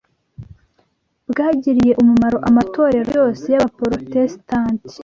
bwagiriye umumaro amatorero yose y’Abaporotesitanti